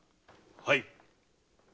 はい。